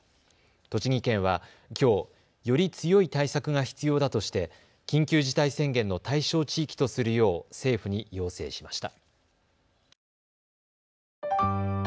栃木県はきょう、より強い対策が必要だとして緊急事態宣言の対象地域とするよう政府に要請しました。